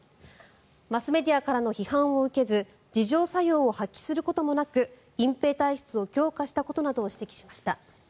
マスメディアからの批判を受けず自浄作用を発揮することもなく隠ぺい体質を強化したことなどを指摘しました。